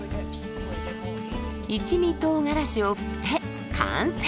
一味とうがらしを振って完成！